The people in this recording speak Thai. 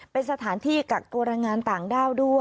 เป็นสถานที่กับโรงงานต่างด้าว